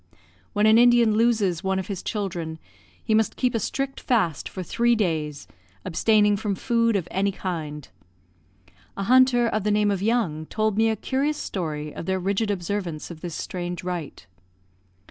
When an Indian loses one of his children, he must keep a strict fast for three days, abstaining from food of any kind. A hunter, of the name of Young, told me a curious story of their rigid observance of this strange rite.